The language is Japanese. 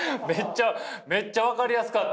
めっちゃ分かりやすかった？